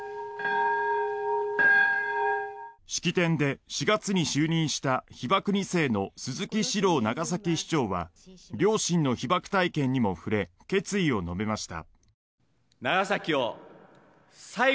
式典で４月に就任した被爆二世の鈴木史朗長崎市長は両親の被爆体験にも触れ決意を述べました。